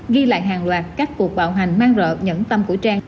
ghi lại hàng loạt các cuộc bạo hành mang rợn nhẫn tâm của trang